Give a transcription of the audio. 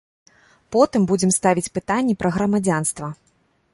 Потым будзем ставіць пытанне пра грамадзянства.